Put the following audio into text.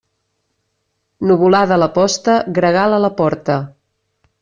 Nuvolada a la posta, gregal a la porta.